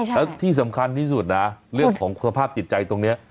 แล้วที่สำคัญที่สุดนะเรื่องของสภาพจิตใจตรงนี้